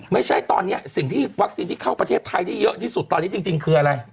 ไม่ใช่ตอนนี้สิ่งที่วัคซีนที่เข้าประเทศไทยได้เยอะที่สุดตอนนี้จริงคืออะไร